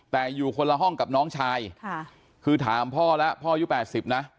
แต่อยู่คนละห้องกับน้องชายค่ะคือถามพ่อแล้วพ่ออายุ๘๐นะ